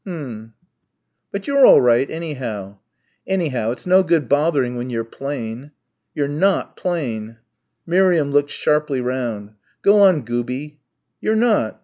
"Mm." "But you're all right, anyhow." "Anyhow, it's no good bothering when you're plain." "You're not plain." Miriam looked sharply round. "Go on, Gooby." "You're not.